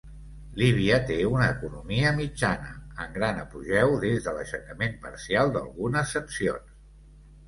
Líbia té una economia mitjana, en gran apogeu des de l'aixecament parcial d'algunes sancions.